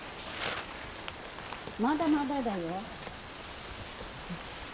まだまだだよ。